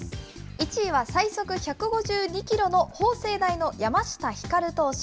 １位は最速１５２キロの法政大の山下輝投手。